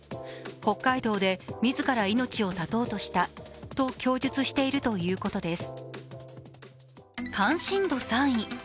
北海道で自ら命を絶とうとしたと供述しているということです。